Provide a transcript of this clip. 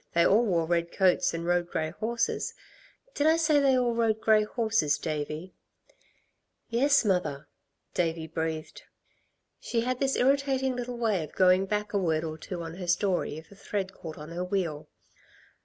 they all wore red coats, and rode grey horses. Did I say that they all rode grey horses, Davey?" "Yes, mother," Davey breathed. She had this irritating little way of going back a word or two on her story if a thread caught on her wheel.